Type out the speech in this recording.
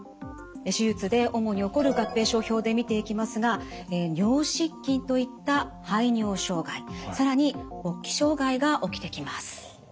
手術で主に起こる合併症表で見ていきますが尿失禁といった排尿障害更に勃起障害が起きてきます。